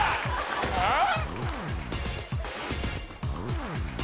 あっ？